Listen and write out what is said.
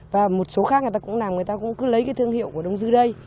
và một số khác người ta cũng làm người ta cũng cứ lấy cái thương hiệu của đông dư đây